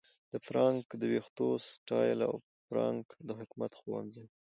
د فرانک د ویښتو سټایل او د فرانک د حکمت ښوونځي